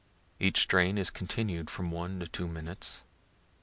Each strain is continued from one to two minutes.